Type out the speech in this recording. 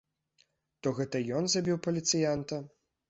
То гэта ён забіў паліцыянта?